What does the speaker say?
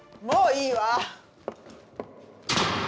もういいわ！